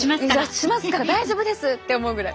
しますから大丈夫ですって思うぐらい。